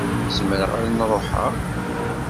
Zemreɣ ad n-ṛuḥeɣ?